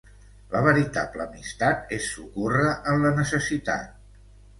La veritable amistat és socórrer en la necessitat.